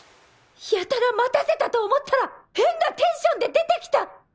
やたら待たせたと思ったら変なテンションで出てきた！